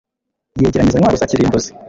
Yegeranya izo ntwaro za kirimbuzi